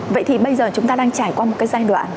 vậy thì bây giờ chúng ta đang trải qua một cái giai đoạn